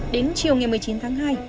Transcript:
đến chiều ngày một mươi chín tháng hai